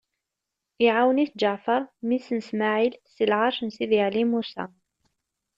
Iɛawen-it Ǧeɛfeṛ, mmi-s n Smaɛil, si lɛeṛc n Sidi Ɛli Musa.